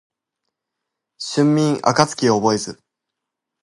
春眠暁を覚えず